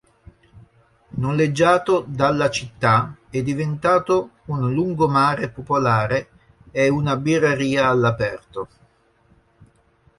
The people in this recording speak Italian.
Noleggiato dalla città, è diventato un lungomare popolare e una birreria all'aperto.